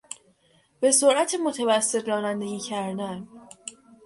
به سرعت متوسط رانندگی کردن